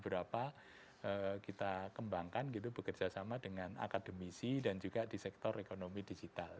beberapa kita kembangkan gitu bekerja sama dengan akademisi dan juga di sektor ekonomi digital